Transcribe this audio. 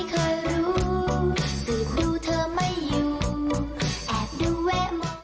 ขอให้ทำด้วยความจริงใจ